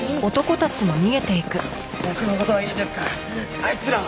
僕の事はいいですからあいつらを。